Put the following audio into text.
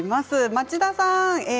「町田さん